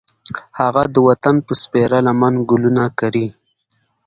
هغه د وطن په سپېره لمن ګلونه کري